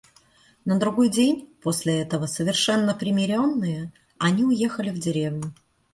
На другой день после этого, совершенно примиренные, они уехали в деревню.